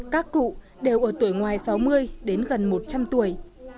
các cụ đều ở tuổi ngoài sáu mươi đến gần một trăm linh tuổi